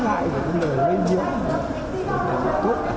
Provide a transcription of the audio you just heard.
đang ái ngại về cái lời lấy nhiễm để bật cốt